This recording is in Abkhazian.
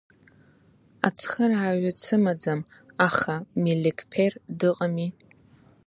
Ацхырааҩы дсымаӡам, аха Мелеқьԥер дыҟами?